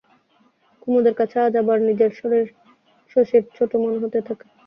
কুমুদের কাছে আজ আবার নিজেকে শশীর ছোট মনে হইতে থাকে।